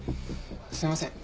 すいません